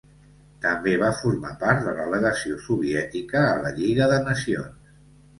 També va formar part de la legació soviètica a la Lliga de Nacions.